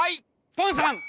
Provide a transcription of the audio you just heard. ポンさん！